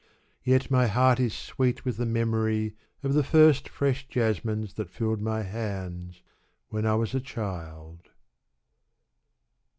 Yet my heart is sweet with the memory of the first fresh jasmines that filled my hands when I was a child.